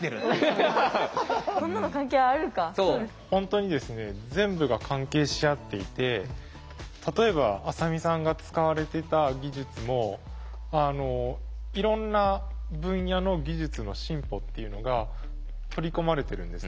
本当にですね全部が関係し合っていて例えば浅見さんが使われてた技術もいろんな分野の技術の進歩っていうのが取り込まれてるんですね。